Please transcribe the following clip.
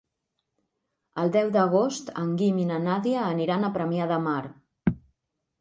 El deu d'agost en Guim i na Nàdia aniran a Premià de Mar.